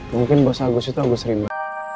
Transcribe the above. mungkin bos agus itu agus rimba